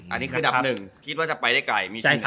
อันนี้คือดับ๑คิดว่าจะไปได้ไกล